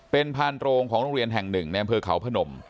เป็นพานโรงของโรงเรียนแห่งหนึ่งในอำเภอเขาพนม